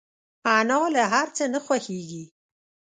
انا له هر څه نه خوښيږي